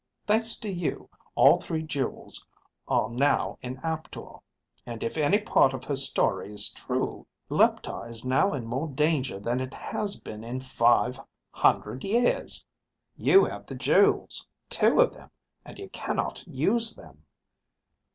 Thanks to you, all three jewels are now in Aptor, and if any part of her story is true, Leptar is now in more danger than it has been in five hundred years. You have the jewels, two of them, and you cannot use them.